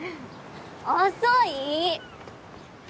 遅い！